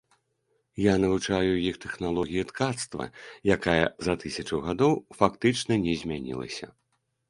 Я навучаю іх тэхналогіі ткацтва, якая за тысячу гадоў фактычна не змянілася.